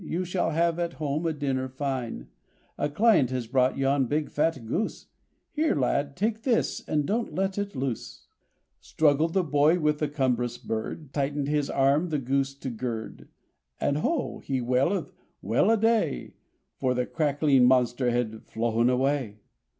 You shall have at home a dinner fine; A client has brought yon big fat goose — Here, lad, take this ! and don't let it loose !" Struggled the boy with the cumbrous bird. Tightened his arm the goose to gird; 173 Then "Ho!" he wailed and "VVell a day !"— For the cackling monster had flown away.